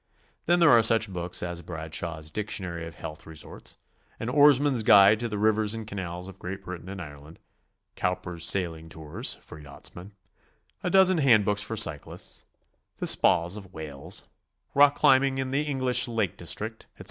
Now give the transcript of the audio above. Then there are such books as Bradshaw's Dictionary of Health Resorts; an Oarsman's Guide to the Rivers and Canals of Great Britain and Ireland; Cowper's Sailing Tours, for yachtsmen; a dozen handbooks for cyclists; the Spas of Wales; Rock climbing in the English Lake District, etc.